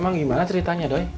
emang gimana ceritanya doi